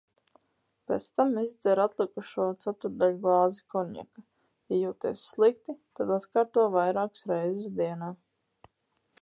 Pēc tam izdzer atlikušo ceturtdaļglāzi konjaka. Ja jūties slikti, tad atkārto vairākas reizes dienā.